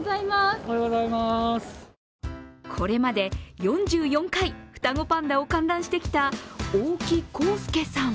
これまで、４４回、双子パンダを観覧してきた大木公輔さん。